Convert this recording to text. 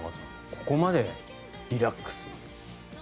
ここまでリラックス。